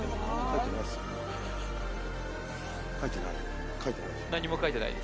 書いてない？